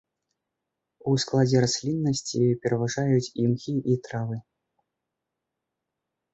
У складзе расліннасці пераважаюць імхі і травы.